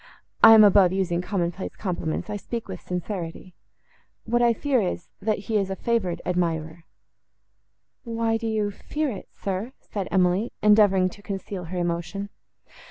I am above using common place compliments; I speak with sincerity. What I fear, is, that he is a favoured admirer."—"Why do you fear it, sir?" said Emily, endeavouring to conceal her emotion.